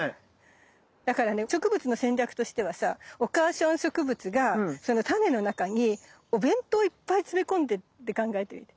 だからね植物の戦略としてはさお母さん植物がそのタネの中にお弁当いっぱい詰め込んでって考えてみて。